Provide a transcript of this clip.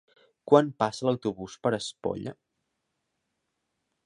Quan passa l'autobús per Espolla?